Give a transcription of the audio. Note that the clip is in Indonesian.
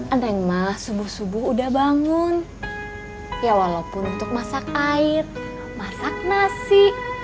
ada yang mah subuh subuh udah bangun ya walaupun untuk masak air masak nasi